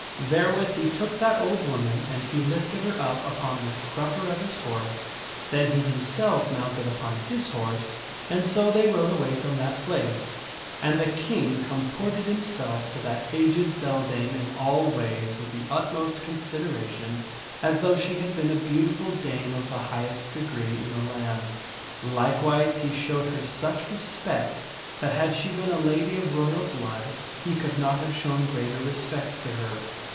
Therewith he took that old woman and he lifted her up upon the crup per of his horse ; then he himself mounted upon his horse, and so they rode away from that place. And the King comported himself take g th the old to that aged beldame in all ways with the utmost considera womanaway t j on as though she had been a beautiful dame of the highest with him. 6 degree in the land. Likewise he showed her such respect that had she been a lady of royal blood, he could not have shown greater respect to her.